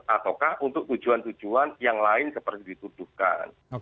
ataukah untuk tujuan tujuan yang lain seperti dituduhkan